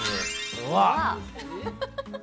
うわっ！